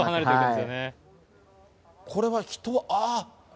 これは人、ああ。